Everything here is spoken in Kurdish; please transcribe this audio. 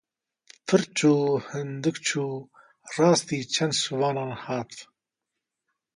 Pir çû hindik çû, rastî çend şivanan hat.